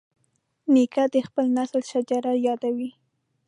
نیکه د خپل نسل شجره یادوي.